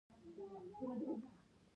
کرايه يې زما تر وس ډېره لوړه وه.